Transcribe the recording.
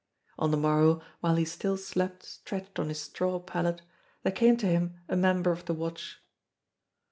On the morrow, while he still slept stretched on his straw pallet, there came to him a member of the Watch.